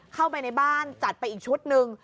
เข้าไปในบ้านจัดไปอีกชุดหนึ่ง